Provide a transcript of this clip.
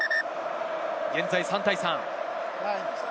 現在３対３。